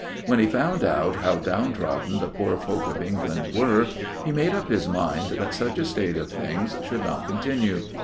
When he found out how down trodden the poor folk of England were, he made up his mind that such a state of things should not continue.